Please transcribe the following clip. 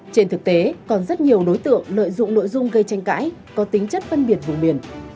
trên thực tế còn rất nhiều đối tượng lợi dụng nội dung gây tranh cãi có tính chất phân biệt vùng biển